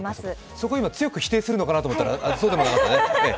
そこ今、強く否定するのかと思ったら、そうでもなかったですね。